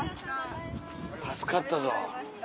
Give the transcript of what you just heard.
助かったぞ。